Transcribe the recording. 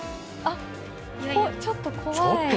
ちょっと怖い。